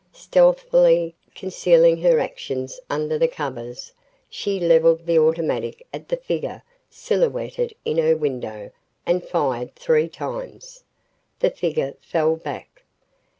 Stealthily concealing her actions under the covers, she levelled the automatic at the figure silhouetted in her window and fired three times. The figure fell back.